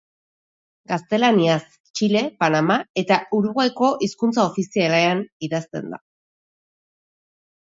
Gaztelaniaz, Txile, Panama eta Uruguaiko hizkuntza ofizialean, idazten da.